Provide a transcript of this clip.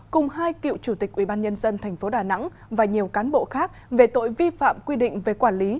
cùng hai cựu chủ tịch ubnd tp đà nẵng và nhiều cán bộ khác về tội vi phạm quy định về quản lý